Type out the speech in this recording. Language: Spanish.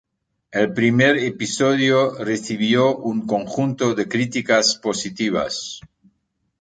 El primer episodio recibió un conjunto de críticas positivas.